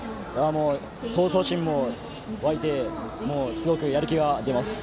闘争心も沸いてすごくやる気が出ます。